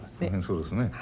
そうですね。